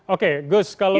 oke gus kalau